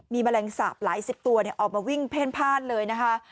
มีแมลงสาปหลายสิบตัวออกมาวิ่งเพ่นพลาดเลยนะคะ